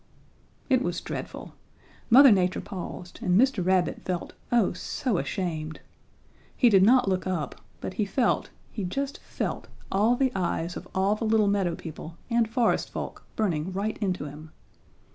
"It was dreadful. Mother Nature paused, and Mr. Rabbit felt oh so ashamed. He did not look up, but he felt, he just felt, all the eyes of all the little meadow people and forest folk burning right into him.